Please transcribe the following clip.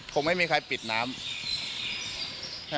คงไม่มีใครปิดน้ำใช่ไหม